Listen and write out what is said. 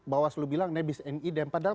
bawaslu bilang nebis en idem padahal